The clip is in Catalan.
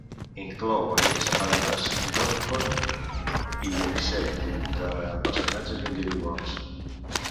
Inclou variants separades d'"Orkhon" i "Yenisei" de personatges individuals.